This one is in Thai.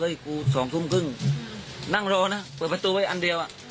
เฮ้ยกู๒ทุ่มครึ่งนั่งรอนะเปิดประตูไว้อันเดียว